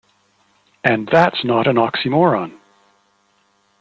And that's not an oxymoron.